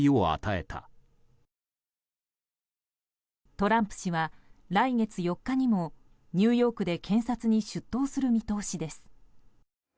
トランプ氏は、来月４日にもニューヨークで検察に出頭する見通しです。